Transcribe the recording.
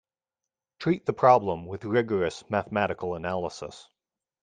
Treat the problem with rigorous mathematical analysis.